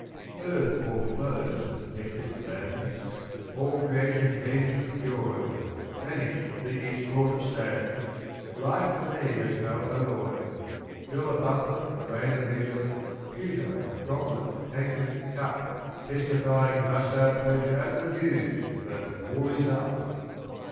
_ Earth o'erflows with nectared gladness, All creation teems with joy; Banished be each thought of sadness, Life for me has no alloy. Fill a bumper! drain a measure, Pewter! goblet! tankard! cup! Testifying thus our pleasure At the news that "Wool is up."